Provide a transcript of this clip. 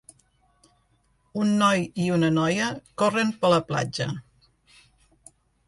Un noi i una noia corren per la platja.